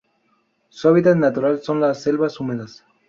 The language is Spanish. Sus hábitat natural son las selvas húmedas.